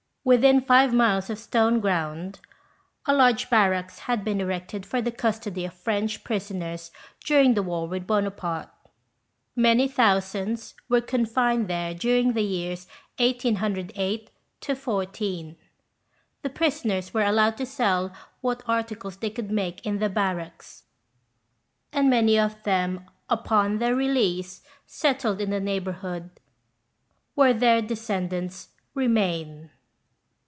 Within five miles of Stone ground a large barracks had been erected for the custody of French prisoners during the war 86 THE BIOHPINS. with Bonaparte. Many thousands were confined there during the years 1808 — 14. The prisoners were allowed to sell what articles they could make in the barracks ; and many of them, upon their release, settled in the neighbourhood, where their descendants remain.